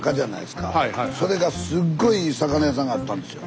スタジオそれがすっごいいい魚屋さんがあったんですよ。